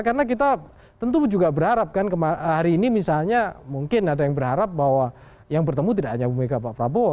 karena kita tentu juga berharap kan hari ini misalnya mungkin ada yang berharap bahwa yang bertemu tidak hanya bu megah pak prabowo